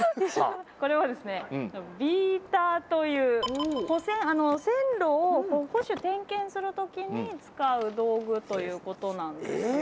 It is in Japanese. これはですねビーターという保線線路を保守点検する時に使う道具ということなんですよね。